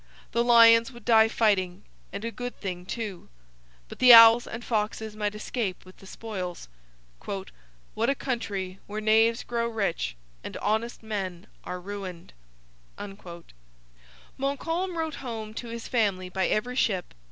The lions would die fighting and a good thing too! But the owls and foxes might escape with the spoils. 'What a country, where knaves grow rich and honest men are ruined!' Montcalm wrote home to his family by every ship.